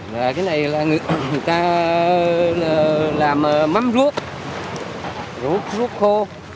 cái này là người ta làm mắm rút rút khô